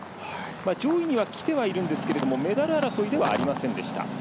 上位にはきてはいるんですけれどもメダル争いではありませんでした。